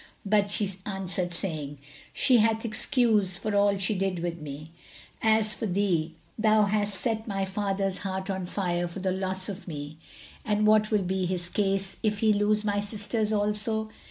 But she answered, saying, "She hath excuse for all she did with me. As for thee, thou hast set my father's heart on fire for the loss of me, and what will be his case, if he lose my sister also?"